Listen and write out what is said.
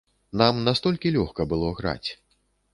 Нам настолькі лёгка было граць.